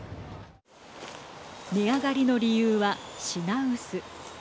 値上がりの理由は品薄。